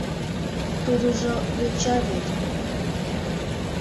— Тудыжо йоча вет.